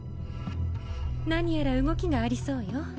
何やら動きがありそうよ。